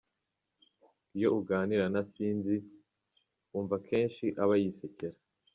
Iyo uganira na Sinzi, wumva akenshi aba yisekera.